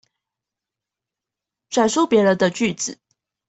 轉述別人的句子